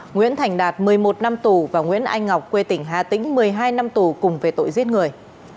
nguyễn thành đạt một mươi một năm tù và nguyễn anh ngọc quê tỉnh hà tĩnh một mươi hai năm tù cùng về tội giết người